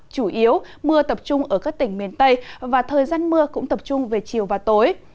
chủ yếu mưa tập trung ở các tỉnh miền tây và thời gian mưa cũng tập trung về chiều và tối